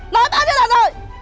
nói tao như thế nào rồi